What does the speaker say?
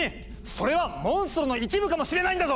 それはモンストロの一部かもしれないんだぞ！